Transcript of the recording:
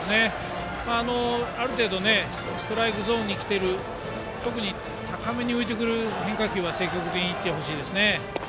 ある程度ストライクゾーンに来ている特に高めに浮いてくる変化球は積極的にいってほしいですね。